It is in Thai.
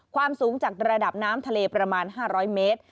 ความสูงจากระดับน้ำทะเลประมาณ๕๐๐เมตร